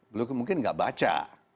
beliau mungkin nggak baca